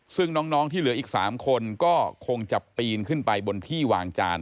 ซึ่งน้องที่เหลืออีก๓คนก็คงจะปีนขึ้นไปบนที่วางจาน